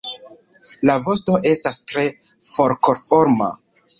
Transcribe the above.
La vosto estas tre forkoforma.